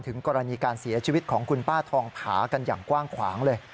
กรณีการเสียชีวิตของคุณป้าทองผากันอย่างกว้างขวางเลย